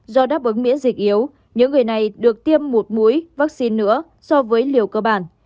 do đáp ứng miễn dịch yếu những người này được tiêm một mũi vaccine nữa so với liều cơ bản